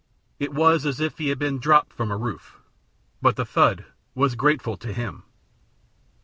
It was as if he had dropped from a roof, but the thud was grateful to him.